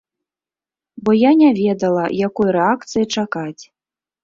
Бо я не ведала, якой рэакцыі чакаць.